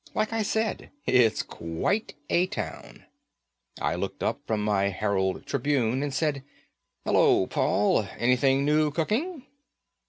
Like I said, it's quite a town. I looked up from my Herald Tribune and said, "Hello, Paul. Anything new cooking?"